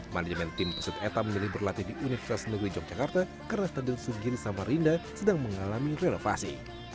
manajemen tim peset eta memilih berlatih di universitas negeri yogyakarta karena standar sugiri samparinda sedang mengalami renovasi